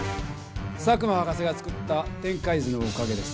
⁉佐久間博士が作った展開図のおかげです。